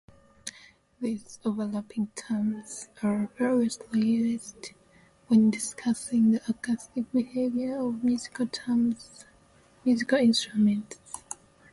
These overlapping terms are variously used when discussing the acoustic behavior of musical instruments.